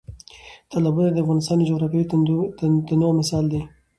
تالابونه د افغانستان د جغرافیوي تنوع مثال دی.